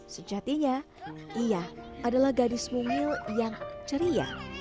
sejatinya iya adalah gadis mumil yang ceria